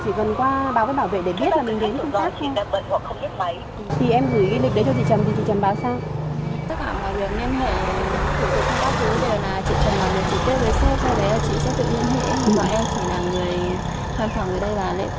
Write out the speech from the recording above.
xin chào và hẹn gặp lại